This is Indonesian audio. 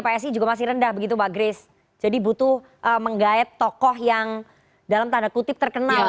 psi juga masih rendah begitu mbak grace jadi butuh menggayat tokoh yang dalam tanda kutip terkenal